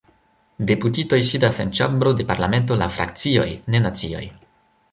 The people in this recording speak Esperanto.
Deputitoj sidas en ĉambro de parlamento laŭ frakcioj, ne nacioj.